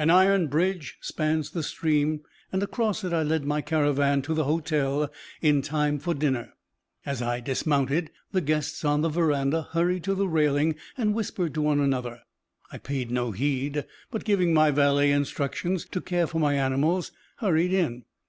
An iron bridge spans the stream, and across it I led my caravan to the hotel in time for dinner. As I dismounted, the guests on the veranda hurried to the railing and whispered to one another; I paid no heed, but, giving my valet instructions to care for my animals, hurried in.